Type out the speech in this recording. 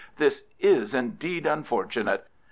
This is, indeed, unfortunate!